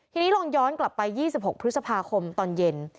ทีนี้ลองย้อนกลับไป๒๖พฤษภาคมตอนเย็น